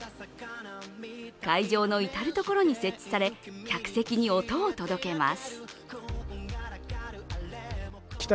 会場の至る所に設置され客席に音を届けます。